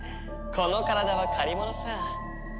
この体は借り物さ。